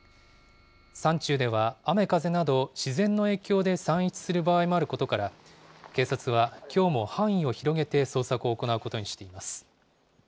山中では、雨風など、自然の影響で散逸する場合もあることから、警察はきょうも範囲を広げて捜索を行うことにしています。